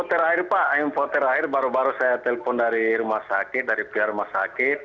infoter akhir pak infoter akhir baru baru saya telepon dari rumah sakit dari pihak rumah sakit